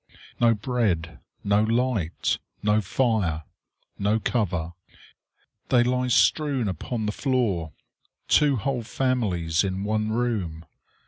No bread. No light. No fire. No cover. They lie strewn upon the floor two whole families in one room.